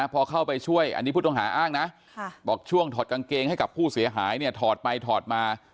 พอเข้าไปช่วยอันนี้ผู้ต้องหาอ้างนะบอกช่วงถอดกางเกงให้กับผู้เสียหายเนี่ยถอดไปถอดมา